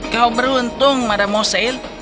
kau beruntung mada moseil